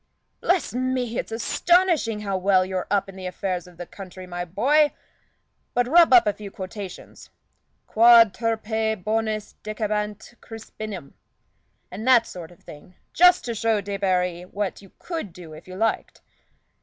"Bless me! it's astonishing how well you're up in the affairs of the country, my boy. But rub up a few quotations 'Quod turpe bonis decebat Crispinum' and that sort of thing just to show Debarry what you could do if you liked.